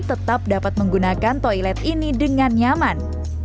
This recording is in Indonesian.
tetap dapat menggunakan toilet ini dengan nyaman